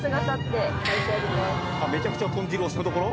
めちゃくちゃ豚汁推しのところ？